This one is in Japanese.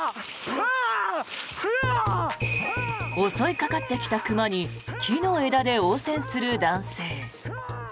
襲いかかってきた熊に木の枝で応戦する男性。